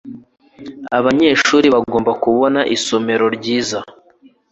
Abanyeshuri bagomba kubona isomero ryiza.